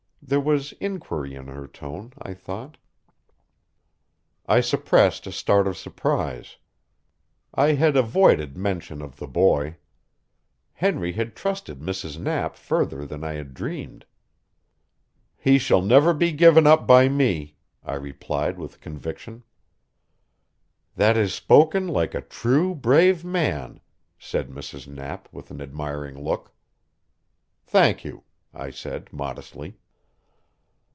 There was inquiry in her tone, I thought. I suppressed a start of surprise. I had avoided mention of the boy. Henry had trusted Mrs. Knapp further than I had dreamed. "He shall never be given up by me," I replied with conviction. "That is spoken like a true, brave man," said Mrs. Knapp with an admiring look. "Thank you," I said modestly.